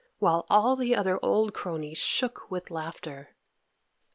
while all the other old cronies shook with laughter.